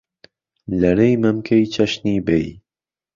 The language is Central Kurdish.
لەرەی مەمکەی چەشنی بەی